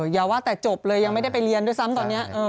อย่าว่าแต่จบเลยยังไม่ได้ไปเรียนด้วยซ้ำตอนนี้